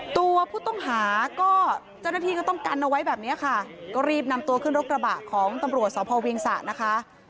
ตัวผู้ต้องหาก็เจ้าหน้าที่ก็ต้องกันเอาไว้แบบนี้ค่ะก็รีบนำตัวขึ้นรถกระบะของตำรวจสพเวียงสะนะคะ